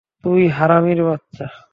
তুই হারামির বাচ্চা!